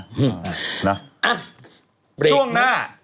ช่วงหน้า